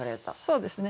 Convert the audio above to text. そうですね。